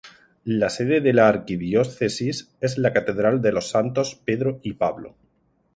La sede de la Arquidiócesis es la Catedral de los Santos Pedro y Pablo.